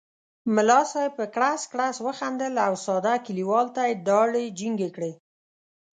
ملا صاحب په کړس کړس وخندل او ساده کلیوال ته یې داړې جینګې کړې.